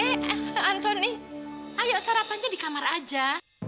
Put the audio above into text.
eh antoni ayo sarapannya di kamar aja